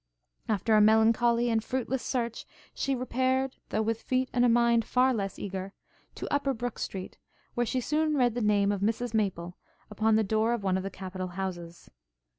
After a melancholy and fruitless search, she repaired, though with feet and a mind far less eager, to Upper Brooke Street, where she soon read the name of Mrs Maple upon the door of one of the capital houses.